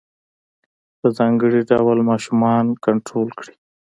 په ځانګړي ډول ماشومان کنترول کړي.